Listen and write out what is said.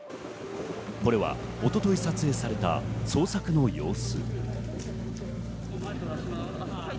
これは一昨日撮影された捜索の様子。